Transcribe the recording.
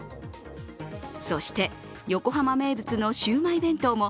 そして、横浜名物のシウマイ弁当も